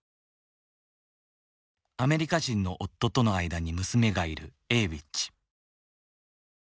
アメリカ人の夫との間に娘がいるＡｗｉｃｈ。